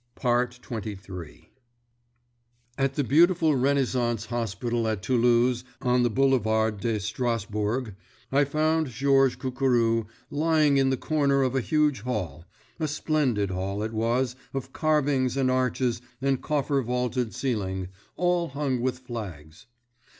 XXIII At the beautiful Renaissance hospital at Toulouse on the Boulevard de Strasbourg, I found Georges Cucurou lying in the corner of a huge hall—a splendid hall it was of carvings and arches and coffer vaulted ceiling, all hung with flags.